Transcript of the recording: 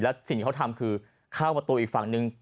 แล้วสิ่งที่เขาทำคือเข้าประตูอีกฝั่งนึง